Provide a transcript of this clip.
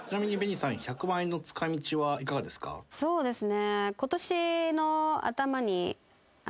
そうですね。